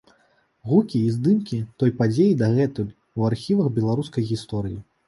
Гукі і здымкі той падзеі дагэтуль у архівах беларускай гісторыі.